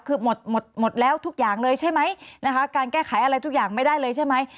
คือหมดหมดแล้วทุกอย่างเลยใช่ไหมนะคะการแก้ไขอะไรทุกอย่างไม่ได้เลยใช่ไหม